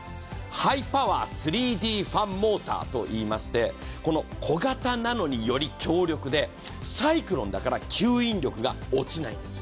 ハイパワー３Ｄファンモーターといいまして、小型なのにより強力で、サイクロンだから吸引力が落ちないんですよ。